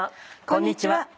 こんにちは。